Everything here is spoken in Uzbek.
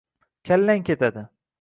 Kallang ketadi